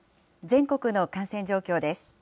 全国の感染状況です。